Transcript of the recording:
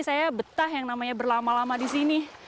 saya betah yang namanya berlama lama di sini